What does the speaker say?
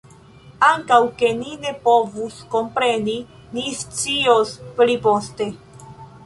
Ankaŭ ke ni ne povus kompreni; ni scios pli poste.